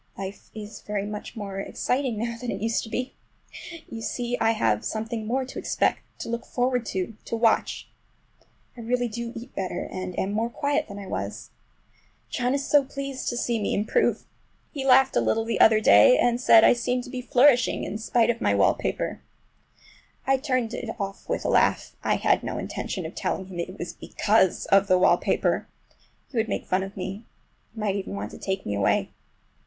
Life is very much more exciting now than it used to be. You see I have something more to expect, to look forward to, to watch. I really do eat better, and am more quiet than I was. John is so pleased to see me improve! He laughed a little the other day, and said I seemed to be flourishing in spite of my wallpaper. I turned it off with a laugh. I had no intention of telling him it was because of the wallpaper—he would make fun of me. He might even want to take me away.